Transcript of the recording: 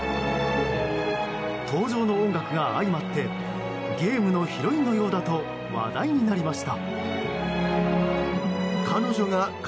登場の音楽が相まってゲームのヒロインのようだと話題になりました。